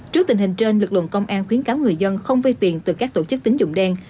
trước tình hình trên lực lượng công an khuyến cáo người dân không vây tiền từ các tổ chức tính dụng đen